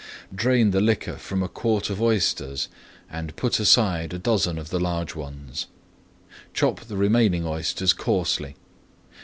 Drain the liquor from a [Page 219] quart of oysters and put aside a dozen of the large ones. Chop the remaining oysters coarsely.